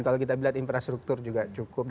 kalau kita lihat infrastruktur juga cukup